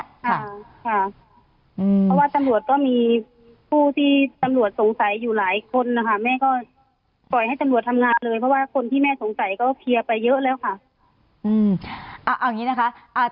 เพราะว่าตำรวจก็มีผู้ที่ตำรวจสงสัยอยู่หลายคนนะคะแม่ก็ปล่อยให้ตำรวจทำงานเลยเพราะว่าคนที่แม่สงสัยก็เคลียร์ไปเยอะแล้วค่ะอืมเอาอย่างงี้นะคะ